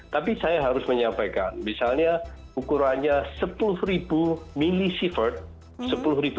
tapi saya harus menyampaikan misalnya ukurannya sepuluh ribu milisievert